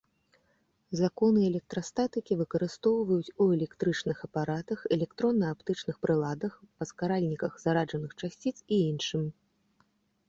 Законы электрастатыкі выкарыстоўваюць у электрычных апаратах, электронна-аптычных прыладах, паскаральніках зараджаных часціц і іншым.